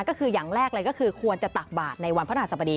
ก็คืออย่างแรกเลยก็คือควรจะตักบาทในวันพระหัสบดี